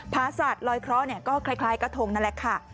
ภาษาลอยเคราะห์ก็คล้ายกระทงนั่นแหละค่ะ